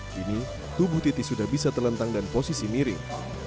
kini tubuh titi sudah bisa terlentang dan posisi miring